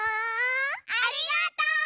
ありがとう！